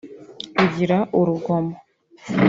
rugira urugomo